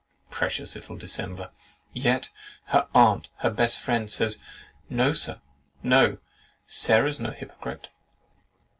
Precious little dissembler! Yet her aunt, her best friend, says, "No, Sir, no; Sarah's no hypocrite!"